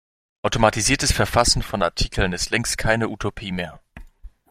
Automatisiertes Verfassen von Artikeln ist längst keine Utopie mehr.